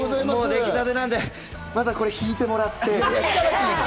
出来たてなんで、まずこれを敷いてもらって。